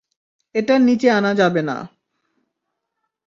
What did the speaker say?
এটার নিচে আনা যাবে না।